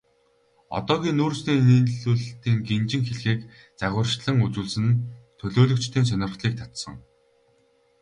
Одоогийн нүүрсний нийлүүлэлтийн гинжин хэлхээг загварчлан үзүүлсэн нь төлөөлөгчдийн сонирхлыг татсан.